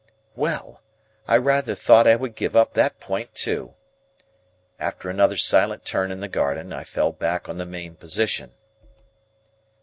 Well! I rather thought I would give up that point too. After another silent turn in the garden, I fell back on the main position.